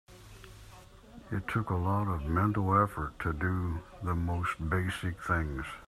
It took a lot of mental effort to do the most basic things.